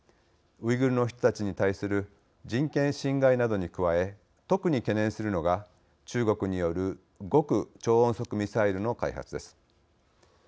ウイグルの人たちに対する人権侵害などに加え特に懸念するのが、中国による極超音速ミサイルの開発です。